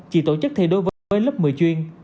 chỉ tổ chức thi đối với lớp một mươi chuyên